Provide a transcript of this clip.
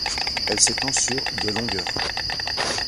Elle s'étend sur de longueur.